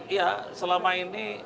iya selama ini